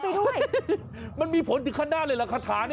ฮ่าฮ่าฮื้อมันมีผลในคันหน้าหรือเละคาถานี้